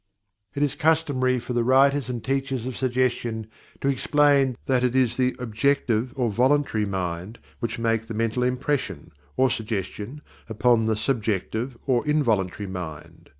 It is customary for the writers and teachers of Suggestion to explain that it is the "objective or voluntary" mind which make the mental impression, or suggestion, upon the "subjective or involuntary" mind.